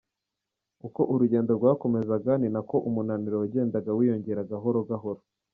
Uko urugendo rwakomezaga, ni nako umunaniro wagendaga wiyongera gahoro gahoro.